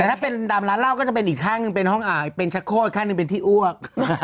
แต่ถ้าเป็นตามร้านเหล้าก็จะเป็นอีกข้างหนึ่งเป็นห้องเป็นชักโคตรข้างหนึ่งเป็นที่อ้วก